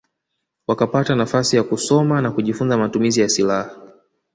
Wakapata nafasi ya kusoma na kujifunza matumizi ya silaha